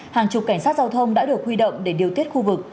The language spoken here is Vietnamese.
hàng chục cảnh sát giao thông đã được huy động để điều tiết khu vực